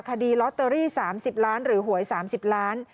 คดีลอตเตอรี่๓๐ล้านหรือหวย๓๐ล้าน